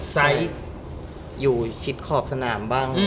ไซส์อยู่ชิดขอบสนามบ้าง